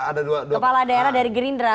kepala daerah dari gerindra